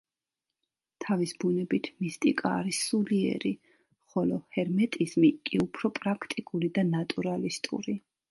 თავისი ბუნებით მისტიკა არის სულიერი, ხოლო ჰერმეტიზმი კი უფრო პრაქტიკული და ნატურალისტური.